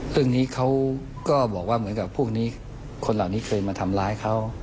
เรื่องนี้เขาก็บอกว่าเหมือนกับพวกนี้คนเหล่านี้เคยมาทำร้ายเขา